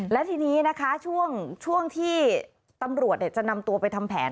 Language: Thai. และทีนี้นะคะช่วงที่ตำรวจจะนำตัวไปทำแผน